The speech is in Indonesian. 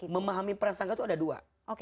memahami prasangka itu ada dua